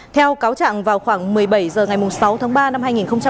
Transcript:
theo cáo chặng vào khoảng một mươi bảy h ngày sáu tháng ba năm hai nghìn một mươi bảy